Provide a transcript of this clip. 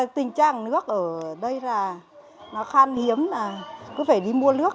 tình trạng nước ở đây là nó khan hiếm là cứ phải đi mua nước